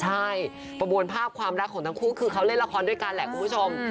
ใช่ประมวลภาพความรักของทั้งคู่คือเขาเล่นละครด้วยกันแหละคุณผู้ชม